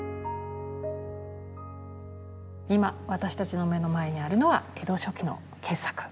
今私たちの目の前にあるのは江戸初期の傑作。